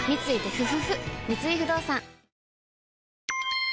三井不動産